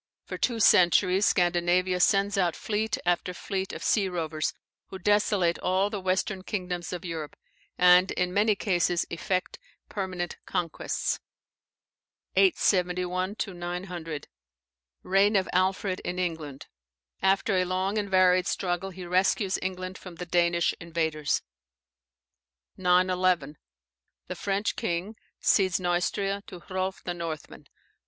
For two centuries Scandinavia sends out fleet after fleet of sea rovers, who desolate all the western kingdoms of Europe, and in many cases effect permanent conquests. 871 900. Reign of Alfred in England. After a long and varied struggle, he rescues England from the Danish invaders. 911, The French king cedes Neustria to Hrolf the Northman.